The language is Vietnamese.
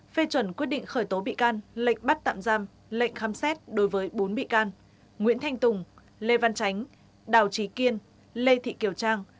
phê chuẩn quyết định khởi tố bị can lệnh bắt tạm giam lệnh khám xét đối với bốn bị can nguyễn thanh tùng lê văn chánh đào trí kiên lê thị kiều trang